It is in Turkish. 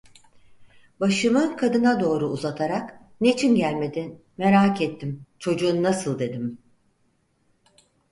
Başımı kadına doğru uzatarak: "Niçin gelmedin? Merak ettim! Çocuğun nasıl?" dedim.